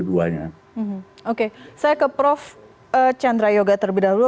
oke saya ke prof chandra yoga terlebih dahulu